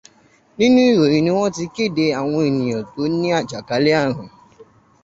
Nínú ìròyìn ni wọ́n ti kéde àwọn ènìyàn tó ní àjàkálẹ̀ ààrùn.